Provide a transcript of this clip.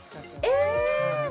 え